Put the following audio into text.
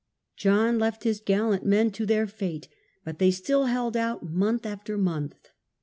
John left his gallant men to their fate, but they still held out month after month.